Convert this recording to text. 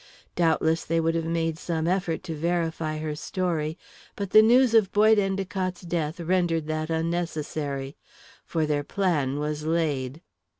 Doubtless they would have made some effort to verify her story, but the news of Boyd Endicott's death rendered that unnecessary. For their plan was laid.